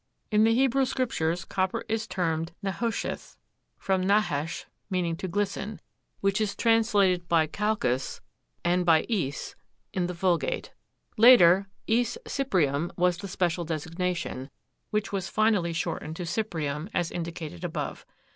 In the Hebrew scriptures copper is termed Nehósheth (from nahásh, meaning to glisten) which is translated by Χαλκος and by Aes in the Vulgate. Later Aes cyprium was the special designation, which was finally shortened to cyprium, as indicated above.